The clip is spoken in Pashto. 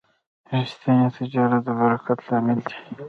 ریښتینی تجارت د برکت لامل دی.